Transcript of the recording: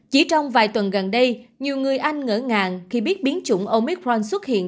chỉ trong vài tuần gần đây nhiều người anh ngỡ ngàng khi biết biến chủng omicron xuất hiện